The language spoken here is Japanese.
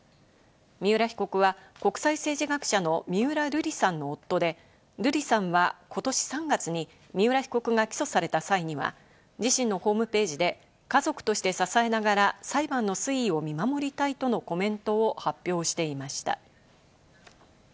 三浦被告は国際政治学者の三浦瑠麗さんの夫で瑠麗さんはことし３月に三浦被告が起訴された際には、自身のホームページで家族として支えながら裁判の推移を見守りたいとのコメントを発表していました。